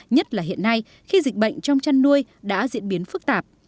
nhất là hiện nay khi dịch bệnh trong chăn nuôi đã diễn biến phức tạp